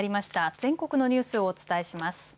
全国のニュースをお伝えします。